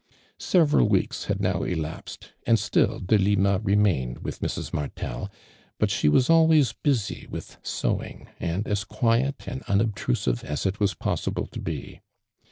Several Aveeks had now elapsed, and still Delinia remain(^d with Mrs. Martel, but she was always busy with sewing, and as quiet and unobti usive as it was jjossible to be.